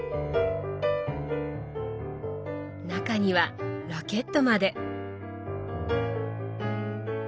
中にはラケットまで。